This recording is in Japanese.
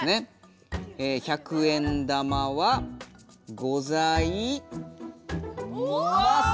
１００円玉はございます！